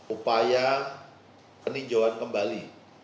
upaya peninjauan kembali